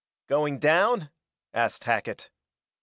"Going down?" asked Hackett.